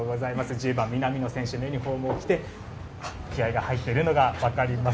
１０番、南野選手のユニホームを着て気合が入っているのがわかります。